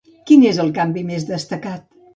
Quin és el canvi més destacat?